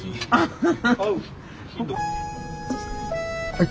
はい。